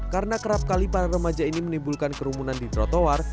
karena kerap kali para remaja ini menimbulkan kerumunan di trotoar